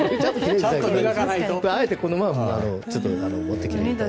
あえて、このまま持ってきたんですが。